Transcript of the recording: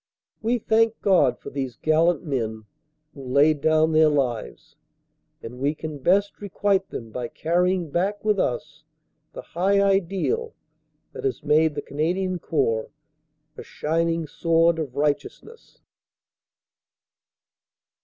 We thank God for these gallant men who laid down their lives and we can best requite them by carrying back with us the high ideal that has made the Canadian Corps a shining sword of righteousness.